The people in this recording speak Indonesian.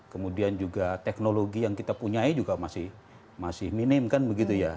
kemudian juga teknologi yang kita punya juga masih minim kan begitu ya